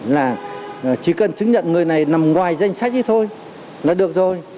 là chỉ cần chứng nhận người này nằm ngoài danh sách ấy thôi là được rồi